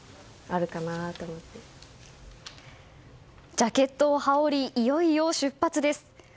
ジャケットを羽織りいよいよ出発です。